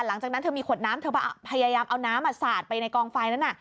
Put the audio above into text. หลังจากนั้นเธอมีขวดน้ำเธอพยายามเอาน้ำสาดไปในกองไฟนั้น